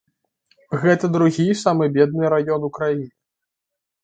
Гэта другі самы бедны раён у краіне.